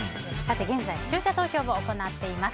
現在、視聴者投票を行っています。